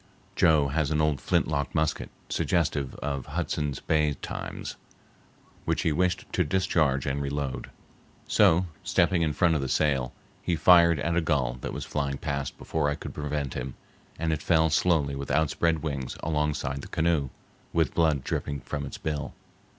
Joe has an old flintlock musket suggestive of Hudson's Bay times, which he wished to discharge and reload. So, stepping in front of the sail, he fired at a gull that was flying past before I could prevent him, and it fell slowly with outspread wings alongside the canoe, with blood dripping from its bill.